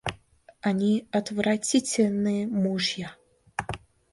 Они отвратительные мужья.